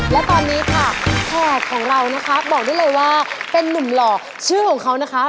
และตอนนี้ค่ะแขกของเรานะคะบอกได้เลยว่าเป็นนุ่มหล่อชื่อของเขานะคะ